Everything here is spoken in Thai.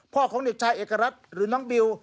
ของเด็กชายเอกรัฐหรือน้องบิว